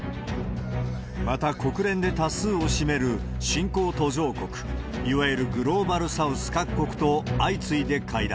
また、国連で多数を占める新興・途上国、いわゆるグローバルサウス各国と相次いで会談。